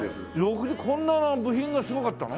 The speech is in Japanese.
こんな部品がすごかったの？